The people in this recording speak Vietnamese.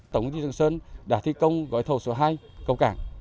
tổng công ty trường sơn đã thi công gói thầu số hai cầu cảng